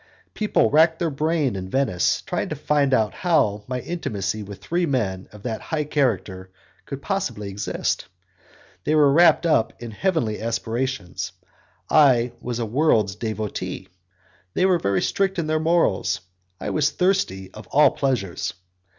People racked their brain in Venice to find out how my intimacy with three men of that high character could possibly exist; they were wrapped up in heavenly aspirations, I was a world's devotee; they were very strict in their morals, I was thirsty of all pleasures!